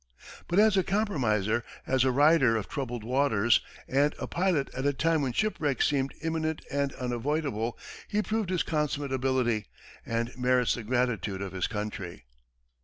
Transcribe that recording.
But as a compromiser, as a rider of troubled waters, and a pilot at a time when shipwreck seemed imminent and unavoidable, he proved his consummate ability, and merits the gratitude of his country.